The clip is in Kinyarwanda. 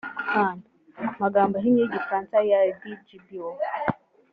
magambo ahinnye y igifaransa ear d gbo